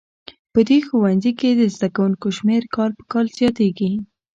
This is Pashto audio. په دې ښوونځي کې د زده کوونکو شمېر کال په کال زیاتیږي